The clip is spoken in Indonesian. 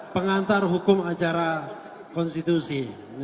pengantar hukum acara konstitusi